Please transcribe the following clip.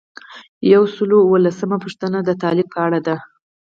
یو سل او اووه لسمه پوښتنه د تعلیق په اړه ده.